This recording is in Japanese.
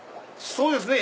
そうですね。